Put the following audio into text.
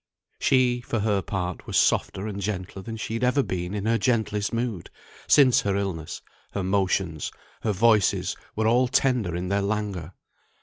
She, for her part, was softer and gentler than she had ever been in her gentlest mood; since her illness, her motions, her glances, her voice were all tender in their languor.